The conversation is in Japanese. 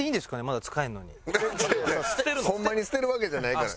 違う違うホンマに捨てるわけじゃないから。